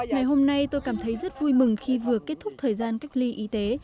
ngày hôm nay tôi cảm thấy rất vui mừng khi vừa kết thúc thời gian cách ly y tế